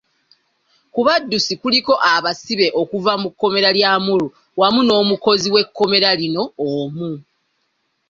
Ku badduse kuliko abasibe okuva mu kkomera lya Amuru wamu n’omukozi w’ekkomera lino omu.